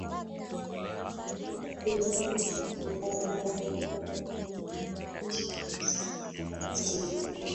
Hutokea pia wachache wao wakawa ni watumishi wa Serikali zetu